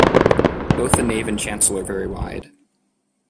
Both the nave and chancel are very wide.